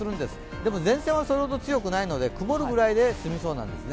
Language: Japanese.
でも前線はそれほど強くないので曇るぐらいで済みそうですね。